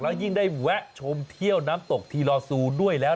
ยิ่งได้แวะชมเที่ยวน้ำตกทีลอซูด้วยแล้ว